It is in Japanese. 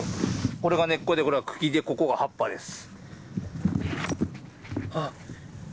これが根っこで、ここが茎で、ここが葉っぱです。